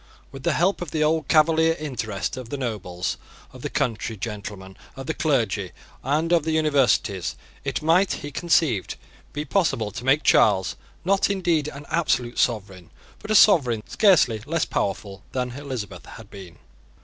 With the help of the old Cavalier interest, of the nobles, of the country gentlemen, of the clergy, and of the Universities, it might, he conceived, be possible to make Charles, not indeed an absolute sovereign, but a sovereign scarcely less powerful than Elizabeth had been.